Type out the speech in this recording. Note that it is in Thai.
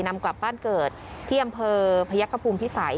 นำกลับบ้านเกิดที่อำเภอพยักษภูมิพิสัย